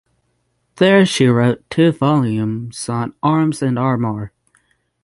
There she wrote two volumes on Arms and Armour.